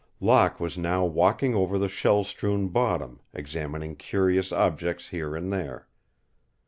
Locke was now walking over the shell strewn bottom, examining curious objects here and there.